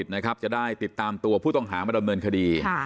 นะครับจะได้ติดตามตัวผู้ต้องหามาดำเนินคดี